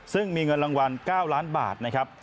ซึ่งมีเงินรางวัล๙ล้านบาทนะครับ